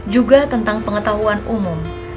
juga tentang pengetahuan umum